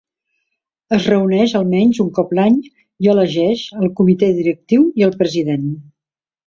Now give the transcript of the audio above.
Es reuneix almenys un cop l'any, i elegeix el Comitè Directiu i el president.